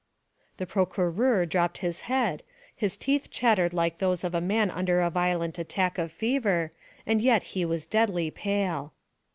The procureur dropped his head; his teeth chattered like those of a man under a violent attack of fever, and yet he was deadly pale.